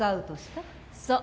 そう。